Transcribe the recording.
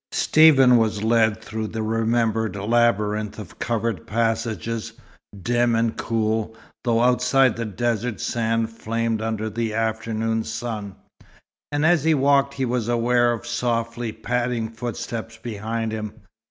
Stephen was led through the remembered labyrinth of covered passages, dim and cool, though outside the desert sand flamed under the afternoon sun; and as he walked he was aware of softly padding footsteps behind him.